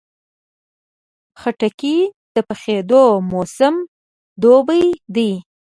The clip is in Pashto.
خټکی د پخېدو موسم دوبی دی.